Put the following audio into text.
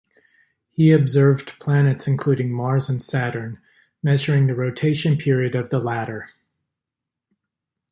He observed planets including Mars and Saturn, measuring the rotation period of the latter.